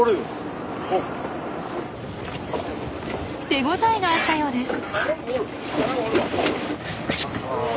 手応えがあったようです！